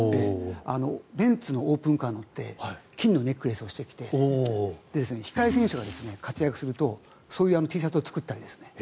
ベンツのオープンカーに乗って金のネックレスをしてきて控え選手が活躍するとそういうＴシャツを作ったり。